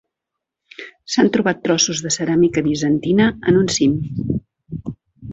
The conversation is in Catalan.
S'han trobat trossos de ceràmica bizantina en un cim.